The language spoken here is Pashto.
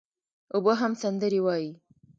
اوبه هم سندري وايي.